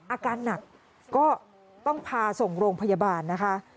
อาการหนักก็ต้องพาส่งโรงพยาบาลนะคะ